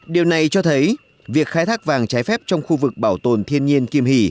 điều này cho thấy việc khai thác vàng trái phép trong khu vực bảo tồn thiên nhiên kim hỷ